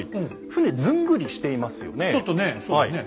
船ずんぐりしていますよね。